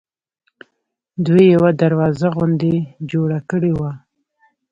دوی یوه دروازه غوندې جوړه کړې وه.